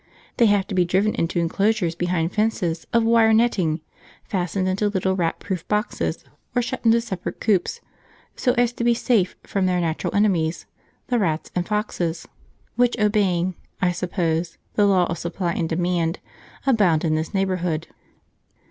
They have to be driven into enclosures behind fences of wire netting, fastened into little rat proof boxes, or shut into separate coops, so as to be safe from their natural enemies, the rats and foxes; which, obeying, I suppose, the law of supply and demand, abound in this neighbourhood.